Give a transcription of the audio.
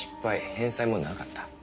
返済もなかった。